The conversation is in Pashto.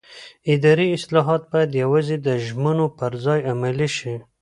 اداري اصلاحات باید یوازې د ژمنو پر ځای عملي شي